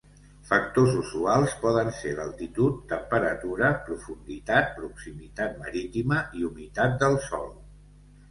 Factors usuals poden ser l'altitud, temperatura, profunditat, proximitat marítima, i humitat del sol.